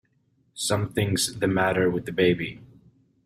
Something's the matter with the baby!